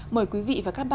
mời quý vị và các bạn